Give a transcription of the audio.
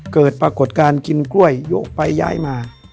เกิดปรากฏการณ์กินกล้วยโยกไปย้ายมา